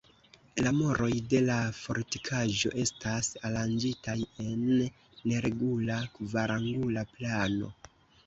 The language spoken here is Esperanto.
La muroj de la fortikaĵo estas aranĝitaj en neregula kvarangula plano.